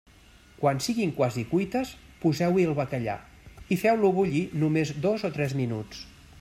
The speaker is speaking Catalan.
Quan siguin quasi cuites, poseu-hi el bacallà i feu-lo bullir només dos o tres minuts.